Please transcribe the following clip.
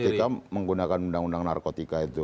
narkotika menggunakan undang undang narkotika